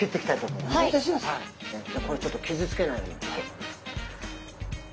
これちょっと傷つけないように。